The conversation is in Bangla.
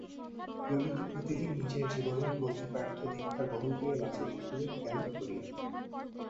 ললিতা প্রতিদিন নিজের জীবনের মধ্যে ব্যর্থ ধিক্কার বহন করিয়া বাঁচিয়া থাকিবে কেমন করিয়া?